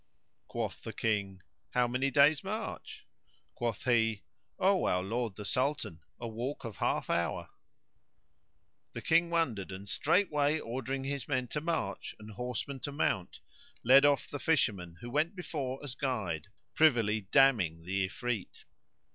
Quoth the King, "How many days' march?" Quoth he, "O our lord the Sultan, a walk of half hour." The King wondered and, straight way ordering his men to march and horsemen to mount, led off the Fisherman who went before as guide, privily damning the Ifrit.